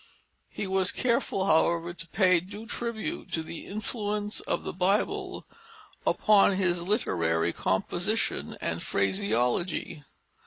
He was careful, however, to pay due tribute to the influence of the Bible upon his literary composition and phraseology.